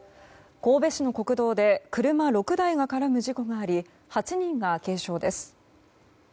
神戸市の国道で車６台が絡む事故があり８人が軽傷です。